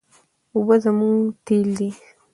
اوبه زموږ تېل دي.